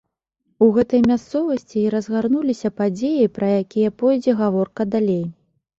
У гэтай мясцовасці і разгарнуліся падзеі, пра якія пойдзе гаворка далей.